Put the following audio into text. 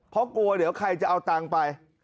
เพราะกลัวเดี๋ยวใครจะเอาตังค์ไป